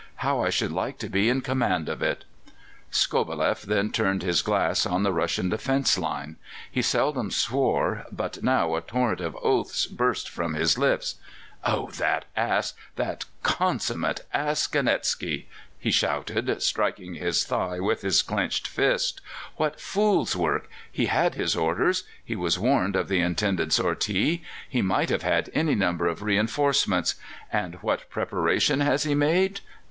How I should like to be in command of it!" Skobeleff then turned his glass on the Russian defence line. He seldom swore, but now a torrent of oaths burst from his lips. "Oh, that ass that consummate ass Ganetzky!" he shouted, striking his thigh with his clenched fist. "What fool's work! He had his orders; he was warned of the intended sortie; he might have had any number of reinforcements. And what preparation has he made?